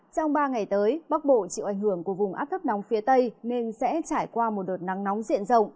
trong ba ngày tới bắc bộ chịu ảnh hưởng của vùng áp thấp nóng phía tây nên sẽ trải qua một đợt nắng nóng diện rộng